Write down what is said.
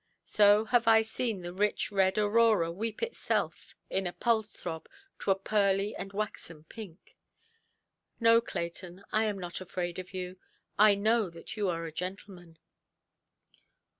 So have I seen the rich red Aurora weep itself, in a pulse–throb, to a pearly and waxen pink. "No, Clayton, I am not afraid of you. I know that you are a gentleman".